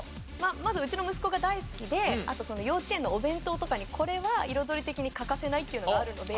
まずうちの息子が大好きであと幼稚園のお弁当とかにこれは彩り的に欠かせないというのがあるので。